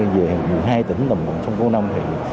về hai tỉnh đồng bằng sông cô nông